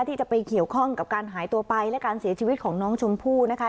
ที่จะไปเกี่ยวข้องกับการหายตัวไปและการเสียชีวิตของน้องชมพู่นะคะ